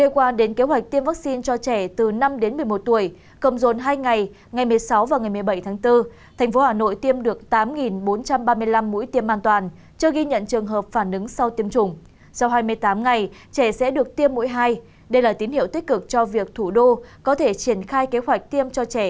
các bạn hãy đăng ký kênh để ủng hộ kênh của chúng mình nhé